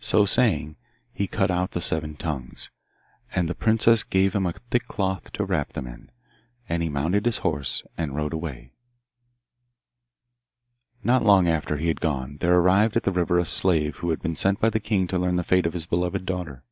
So saying he cut out the seven tongues, and the princess gave him a thick cloth to wrap them in; and he mounted his horse and rode away. Not long after he had gone there arrived at the river a slave who had been sent by the king to learn the fate of his beloved daughter.